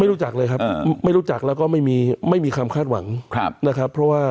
ไม่รู้จักเลยครับไม่รู้จักแล้วก็ไม่มีความคาดหวังนะครับ